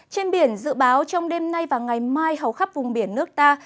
trên biển dự báo trong đêm nay và ngày mai hầu khắp vùng biển nước ta